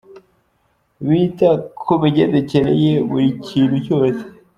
Bita ku migendekere ya buri kintu cyose.